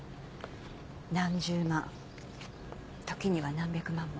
何十万時には何百万も。